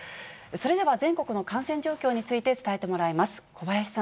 それでは、全国の感染状況について伝えてもらいます。